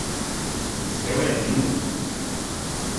O céu é lindo.